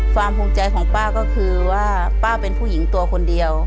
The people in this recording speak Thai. ภูมิใจของป้าก็คือว่าป้าเป็นผู้หญิงตัวคนเดียว